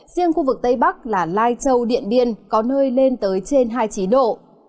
riêng khu vực tây bắc là lai châu điện biên có nơi lên tới trên hai mươi chín độ